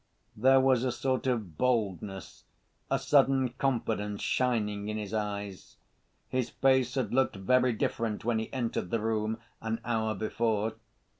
There was a sort of boldness, a sudden confidence shining in his eyes. His face had looked very different when he entered the room an hour before.